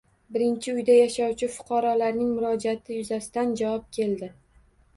Birinchi uyda yashovchi fuqarolarning murojaati yuzasidan javob keldi.